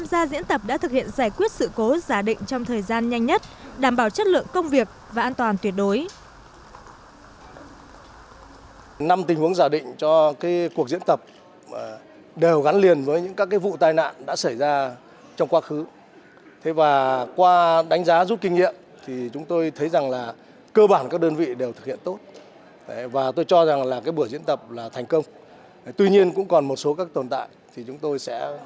các đơn vị đã thực hiện giải quyết sự cố giả định trong thời gian nhanh nhất đảm bảo chất lượng công việc và an toàn tuyệt đối